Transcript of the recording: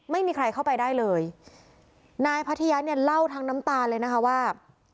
ไม่มีใครเข้าไปได้เลยนายพัทยาเนี่ยเล่าทั้งน้ำตาเลยนะคะว่า